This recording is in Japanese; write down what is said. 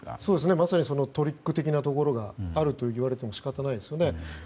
まさにそのトリック的なところがあるといわれても仕方ないですよね。